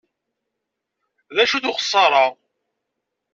D acu-t uxeṣṣaṛ-a?